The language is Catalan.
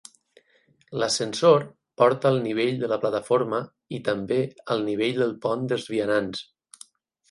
L"ascensor porta al nivell de la plataforma i també al nivell del pont de vianants.